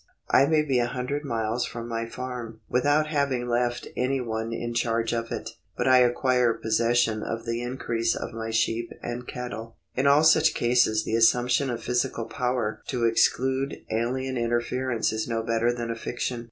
I may be a hundred miles from my farm, without having left any one in charge of it ; but I acquire possession of the increase of my sheep and cattle. In all such cases the assumption of physical power to ex clude alien interference is no better than a fiction.